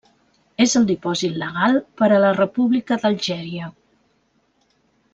És el dipòsit legal per a la República d'Algèria.